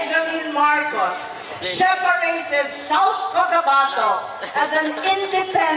hari ini jadi ini adalah hari lima puluh tujuh tahun kebahagiaan kami